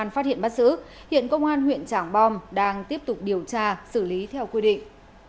phát hiện bắt giữ hiện công an huyện trảng bom đang tiếp tục điều tra xử lý theo quy định